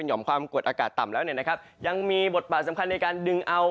หอมความกดอากาศต่ำแล้วเนี่ยนะครับยังมีบทบาทสำคัญในการดึงเอา